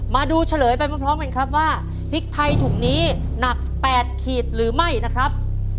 เฉลยไปพร้อมกันครับว่าพริกไทยถุงนี้หนัก๘ขีดหรือไม่นะครับ